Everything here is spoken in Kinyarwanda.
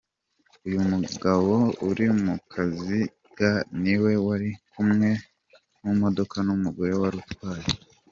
Uyu mugabo uri mu kaziga niwe wari kumwe mu modoka n'umugore wari utwaye.